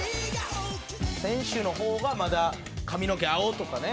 先週の方がまだ髪の毛青とかね。